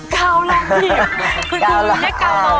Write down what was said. ก้าวลงหยิบคุณคูยม่ายักการมองเหอะ